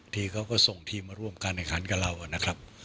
ที่เขาก็ส่งทีมมาร่วมการแข่งขันกับเรานะครับ